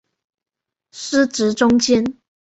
司职中坚。